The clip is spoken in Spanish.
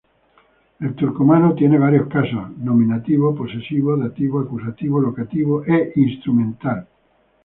El turcomano tiene varios casos: nominativo, posesivo, dativo, acusativo, locativo e instrumental.